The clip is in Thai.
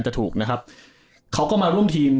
จะถูกนะครับเขาก็มาร่วมทีม